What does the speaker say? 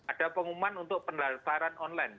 ada pengumuman untuk pendaftaran online